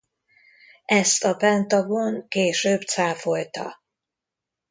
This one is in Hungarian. Ezt a Pentagon később cáfolta.